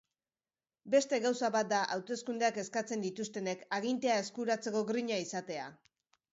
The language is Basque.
Beste gauza bat da hauteskundeak eskatzen dituztenek agintea eskuratzeko grina izatea.